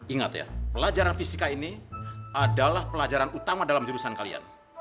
ingat ya pelajaran fisika ini adalah pelajaran utama dalam jurusan kalian